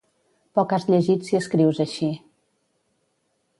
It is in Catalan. Poc has llegit si escrius així